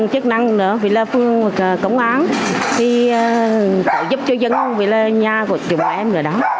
hãy giúp cho dân vì là nhà của chúng em rồi đó